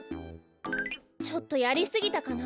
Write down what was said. ちょっとやりすぎたかな？